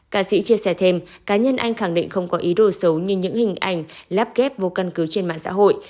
ca sĩ chia sẻ thêm cá nhân anh khẳng định không có ý đồ xấu như những hình ảnh lắp kép vô căn cứ trên mạng xã hội